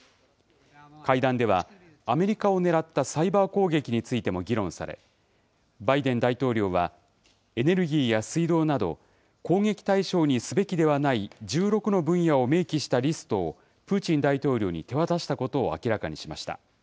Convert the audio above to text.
会談では、アメリカを狙ったサイバー攻撃についても議論され、バイデン大統領は、エネルギーや水道など、攻撃対象にすべきではない１６の分野を明記したリストを、プーチン大統領に手渡したことを明らかにしました。